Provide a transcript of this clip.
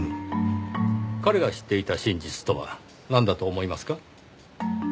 彼が知っていた真実とはなんだと思いますか？